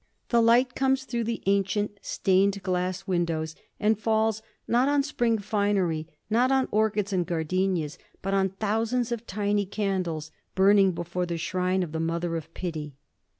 The light comes through the ancient, stained glass windows and falls, not on spring finery, not on orchids and gardenias, but on thousands of tiny candles burning before the shrine of the Mother of Pity.